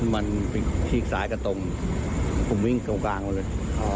มันไปทีกซ้ายกับตรงผมวิ่งตรงกลางเราเลย